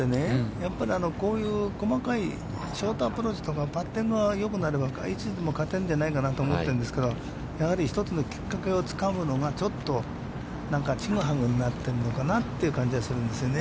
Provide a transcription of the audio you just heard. やっぱりこういう細かいショートアプローチとかパッティングがよくなれば、勝てるんじゃないかと思っているんですけど、やはり一つのきっかけをつかむのが、ちょっとなんか、ちぐはぐになっているのかなという感じはするんですよね。